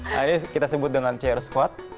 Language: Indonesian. nah ini kita sebut dengan chair squat